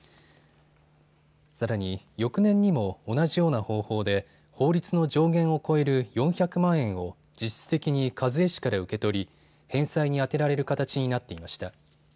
さらに翌年にも同じような方法で法律の上限を超える４００万円を実質的に一衛氏から受け取り返済に充てられる形になっていました。